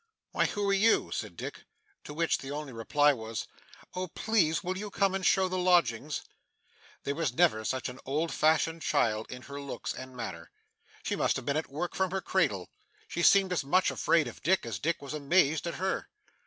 'Why, who are you?' said Dick. To which the only reply was, 'Oh, please will you come and show the lodgings?' There never was such an old fashioned child in her looks and manner. She must have been at work from her cradle. She seemed as much afraid of Dick, as Dick was amazed at her.